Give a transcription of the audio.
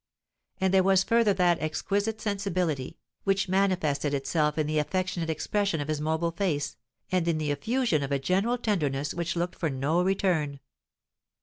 And there was further that exquisite sensibility, which manifested itself in the affectionate expression of his mobile face, and in the effusion of a general tenderness which looked for no return.